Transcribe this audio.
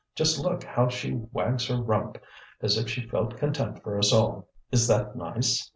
Just look how she wags her rump, as if she felt contempt for us all. Is that nice?"